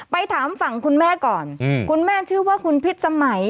ไปถามฝั่งคุณแม่ก่อนคุณแม่ชื่อว่าคุณพิษสมัย